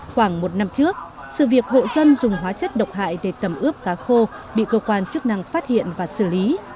khoảng một năm trước sự việc hộ dân dùng hóa chất độc hại để tẩm ướp cá khô bị cơ quan chức năng phát hiện và xử lý